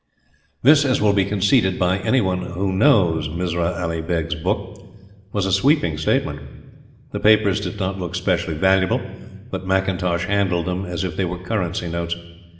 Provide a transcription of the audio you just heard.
This, as will be conceded by any one who knows Mirza Ali Beg's book, was a sweeping statement. The papers did not look specially valuable; but McIntosh handled them as if they were currency notes.